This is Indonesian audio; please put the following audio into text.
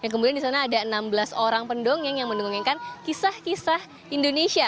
kemudian di sana ada enam belas orang pendongeng yang mendongengkan kisah kisah indonesia